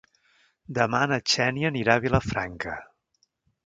Demà na Xènia anirà a Vilafranca.